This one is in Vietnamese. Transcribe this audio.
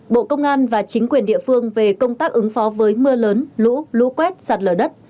bộ công an và chính quyền địa phương về công tác ứng phó với mưa lớn lũ lũ quét sạt lở đất